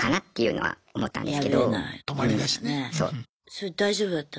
それ大丈夫だった？